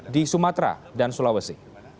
di sumatera dan sulawesi